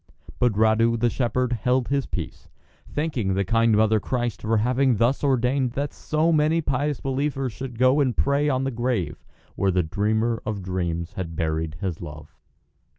But Radu, the shepherd, held his peace, thanking the Kind Mother of Christ for having thus ordained that so many pious believers should go and pray on the grave where the dreamer of dreams had buried his love.